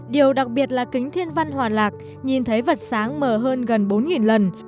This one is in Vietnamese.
điều đặc biệt là kính thiên văn hòa lạc nhìn thấy vật sáng mờ hơn gần bốn lần